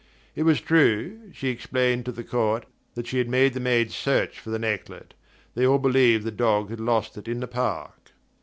It was true, she explained to the court, that she had made the maids search for the necklet they all believed the dog had lost it in the park...